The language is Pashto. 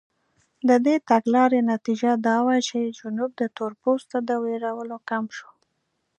د دې تګلارې نتیجه دا وه چې جنوب د تورپوستو د وېرولو کمپ شو.